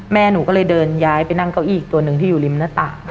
แม่หนูก็เลยเดินย้ายไปนั่งเก้าอี้อีกตัวหนึ่งที่อยู่ริมหน้าต่าง